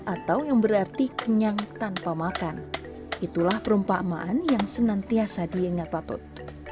atau yang berarti kenyang tanpa makan itulah perumpamaan yang senantiasa diingat patut